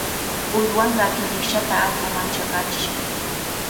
Uywanqaa killikshata allqu manchachishqa.